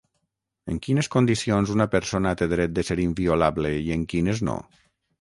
En quines condicions una persona té dret de ser inviolable i en quines no?